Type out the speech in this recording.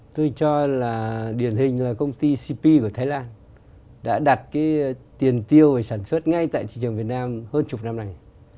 tôi cho là điển hình là công ty cp của thái lan đã đặt tiền tiêu sản xuất ngay tại thị trường việt nam hơn chục năm này